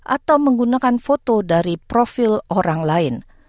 atau menggunakan foto dari profil orang lain